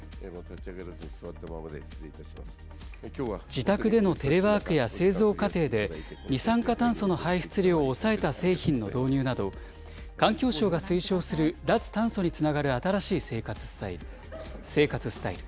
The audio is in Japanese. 自宅でのテレワークや製造過程で、二酸化炭素の排出量を抑えた製品の導入など、環境省が推奨する脱炭素につながる新しい生活スタイル。